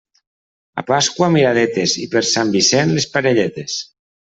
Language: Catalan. A Pasqua miradetes i per Sant Vicent les parelletes.